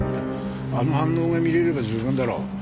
あの反応が見れれば十分だろう。